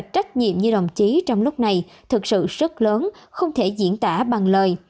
trách nhiệm như đồng chí trong lúc này thực sự rất lớn không thể diễn tả bằng lời